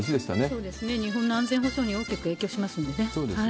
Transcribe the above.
そうですね、日本の安全保障に大きく影響しますので。